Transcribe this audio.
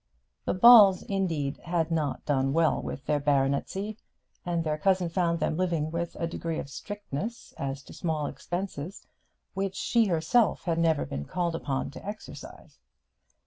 The Balls, indeed, had not done well with their baronetcy, and their cousin found them living with a degree of strictness, as to small expenses, which she herself had never been called upon to exercise.